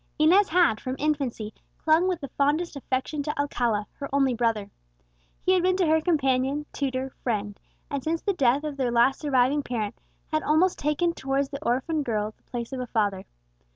Inez had, from infancy, clung with the fondest affection to Alcala, her only brother. He had been to her companion, tutor, friend; and since the death of their last surviving parent, had almost taken towards the orphan girl the place of a father.